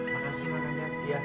makan sih makan ya